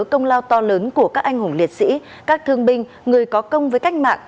công lao to lớn của các anh hùng liệt sĩ các thương binh người có công với cách mạng